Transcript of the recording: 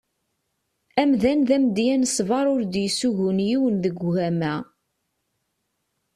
Amdan d amedya n ṣsber ur d-yessugun yiwen deg ugama.